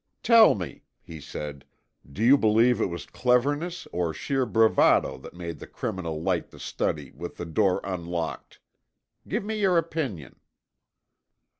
"Tell me," he said, "do you believe it was cleverness or sheer bravado that made the criminal light the study with the door unlocked? Give me your opinion."